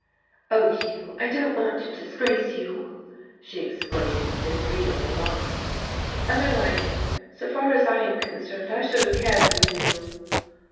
"Oh, Hugh, I don't want to disgrace you!" she exclaimed, in real alarm. "Otherwise, so far as I am concerned, I shouldn't care who knew."